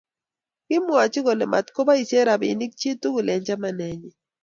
Kimwach kole matko boisie rapinik chi tugul eng chamanenyi